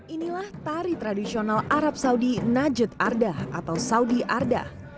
inilah tari tradisional arab saudi najat ardah atau saudi ardah